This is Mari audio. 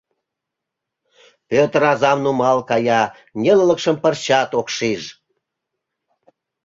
Пӧтыр азам нумал кая, нелылыкшым пырчат ок шиж.